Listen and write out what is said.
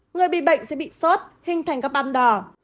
người bị bệnh sẽ bị sót hình thành các ban đỏ